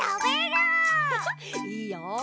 いいよ！